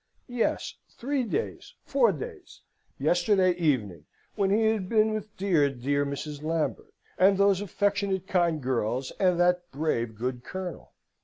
Yes, three days, four days, yesterday evening, when he had been with dear dear Mrs. Lambert, and those affectionate kind girls, and that brave good Colonel.